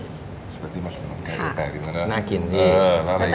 สปาเกตตี้มัสสะหมัดน้องไก่แปลกจริงนะเนอะ